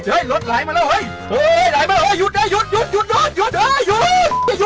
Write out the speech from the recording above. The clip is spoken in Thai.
ไหวแล้วเนี่ย